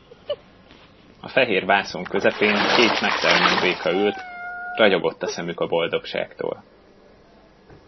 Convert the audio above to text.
A fehér vászon közepén két megtermett béka ült; ragyogott a szemük a boldogságtól.